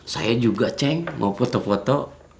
saya juga ceng mau foto foto